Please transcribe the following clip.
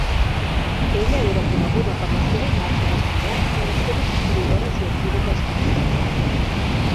Ella era coneguda per la seva imatge de "bombó" i les seves suggeridores i equívoques cançons.